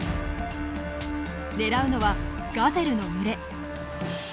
狙うのはガゼルの群れ。